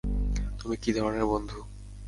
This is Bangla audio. তুমি কি ধরনের বন্ধু?